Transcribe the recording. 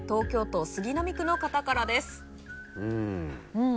うん。